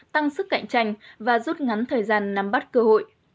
tăng sức cạnh tranh và rút ngắn thời gian nắm bắt cơ hội